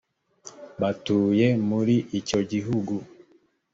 batuye muri icyo gihugu